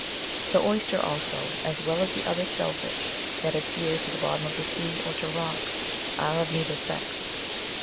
The oyster also, as weU as the other shell fish that adhere to the bottom of the sea or to rocks, are of neither sex.